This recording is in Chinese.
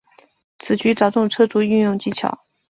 此局着重车卒运用技巧。